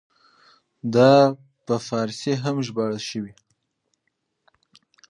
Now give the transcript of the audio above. دا په فارسي هم ژباړل شوی دی.